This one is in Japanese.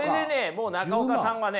もう中岡さんはね